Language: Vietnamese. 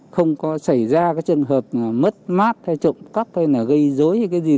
không có xảy ra cái trường hợp mất mát hay trộm cắp hay là gây dối hay cái gì cả